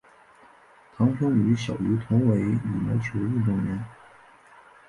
堂兄于小渝同为羽毛球运动员。